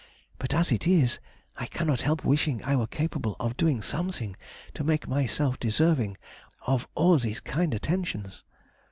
But as it is, I cannot help wishing I were capable of doing something to make myself deserving of all these kind attentions.